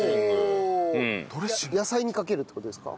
野菜にかけるって事ですか？